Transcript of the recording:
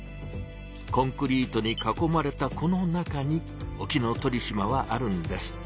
コンクリートに囲まれたこの中に沖ノ鳥島はあるんです。